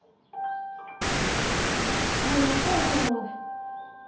それにお父様まで。